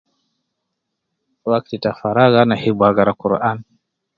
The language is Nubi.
Wakti ta harag ana hibu agara Quran